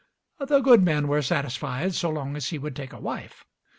The good men were satisfied, so long as he would take a wife.